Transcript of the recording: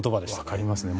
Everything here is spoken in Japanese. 分かりますね。